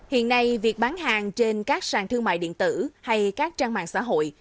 hiện nay việc bán hàng trên các sàn thương mại điện tử hay các trang mạng xã hội